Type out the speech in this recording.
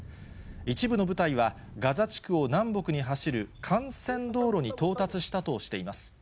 一部の部隊は、ガザ地区を南北に走る幹線道路に到達したとしています。